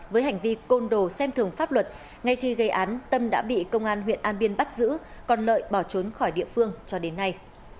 với hành vi côn đồ xem thường pháp luật ngay khi gây án tâm đã bị công an huyện an biên bắt giữ còn lợi bỏ trốn khỏi địa phương cho đến nay